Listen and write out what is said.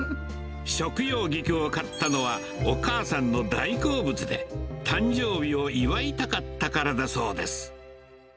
食用菊を買ったのはお母さんの大好物で、誕生日を祝いたかったからだそうです。